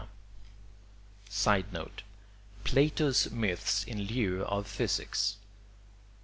[Sidenote: Plato's myths in lieu of physics.